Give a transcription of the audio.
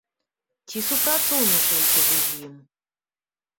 Ці супрацоўнічаеце вы з ім?